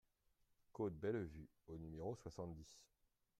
Côte Bellevue au numéro soixante-dix